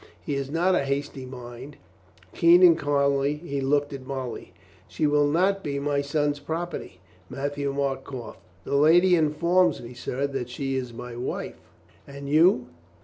He has not a hasty mind. Keen and kindly he looked at Molly. "She will not be my son's property?" Matthieu Marc coughed. "The lady informs me, sir, that she is my wife." "And you?"